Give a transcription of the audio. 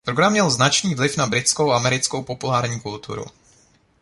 Program měl značný vliv na britskou a americkou populární kulturu.